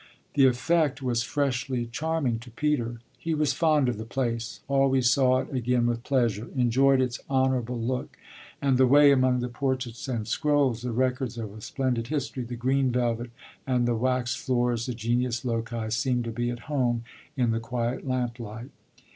The effect was freshly charming to Peter; he was fond of the place, always saw it again with pleasure, enjoyed its honourable look and the way, among the portraits and scrolls, the records of a splendid history, the green velvet and the waxed floors, the genius loci seemed to be "at home" in the quiet lamplight.